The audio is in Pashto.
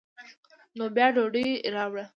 نو بیا ډوډۍ راوړه.